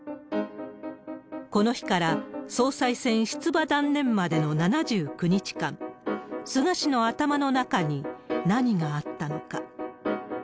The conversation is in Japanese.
この日から、総裁選出馬断念までの７９日間、菅氏の頭の中に何があったのか。